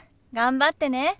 頑張ってね。